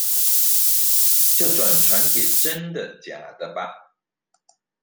就轉傳給真的假的吧